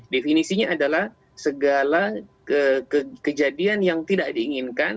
definisinya adalah segala kejadian yang tidak diinginkan